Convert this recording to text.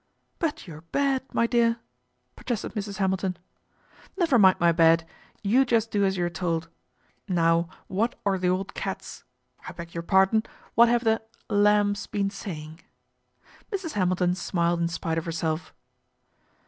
" But your bed, my dear," protested Mrs. Hamilton. " Never mind my bed, you just do as you're told. Now what are the old cats I beg your pardon, what have the lambs been saying ?" Mrs. Hamilton smiled in spite of herself.